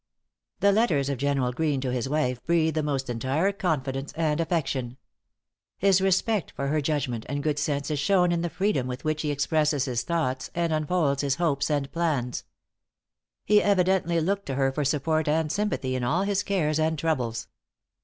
The letters of General Greene to his wife breathe the most entire confidence and affection. His respect for her judgment and good sense is shown in the freedom with which he expresses his thoughts and unfolds his hopes and plans. He evidently looked to her for support and sympathy in all his cares and troubles.